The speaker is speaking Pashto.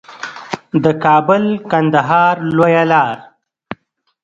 د کابل کندهار لویه لار